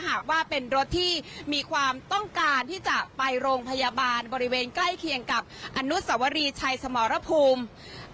หากว่าเป็นรถที่มีความต้องการที่จะไปโรงพยาบาลบริเวณใกล้เคียงกับอนุสวรีชัยสมรภูมิ